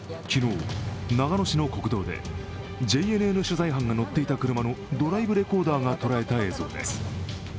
昨日、長野市の国道でＪＮＮ取材班が乗っていた車のドライブレコーダーが捉えた映像です。